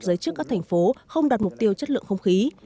giới chức các thành phố không đạt mục tiêu chất lượng không khí